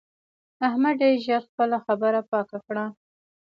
احمد ډېر ژر خپله خبره پاکه کړه.